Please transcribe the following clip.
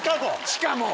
しかも。